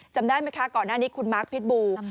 จำได้ไหมคะก่อนหน้านี้คุณมาร์คพิษบู